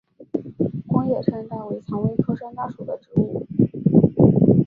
光叶山楂为蔷薇科山楂属的植物。